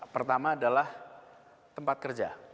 pertama adalah tempat kerja